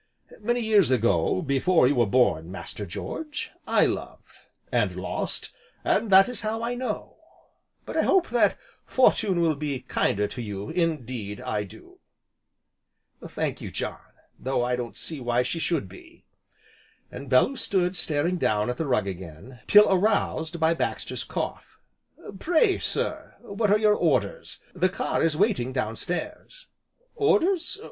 Many years ago, before you were born, Master George, I loved and lost, and that is how I know. But I hope that Fortune will be kinder to you, indeed I do." "Thank you, John, though I don't see why she should be." And Bellew stood staring down at the rug again, till aroused by Baxter's cough: "Pray sir, what are your orders, the car is waiting downstairs?" "Orders?